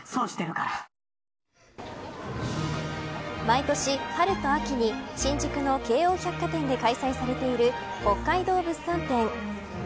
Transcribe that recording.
毎年、春と秋に新宿の京王百貨店で開催されている北海道物産展。